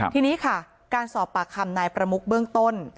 ทีนี้ค่ะการสอบปากคำนายประมุกเบื้องต้น